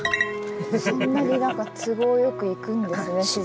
そんなに都合よくいくんですね自然。